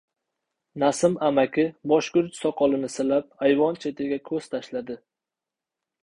Nasim amaki moshguruch soqolini silab, ayvon chetiga ko‘z tashladi.